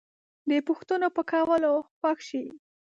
د پوښتنو په کولو خوښ شئ